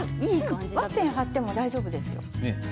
ワッペンを貼っても大丈夫ですよ。